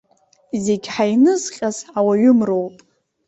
Зегь ҳаинызҟьаз ауаҩымроуп.